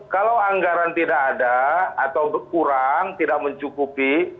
kalau anggaran tidak ada atau kurang tidak mencukupi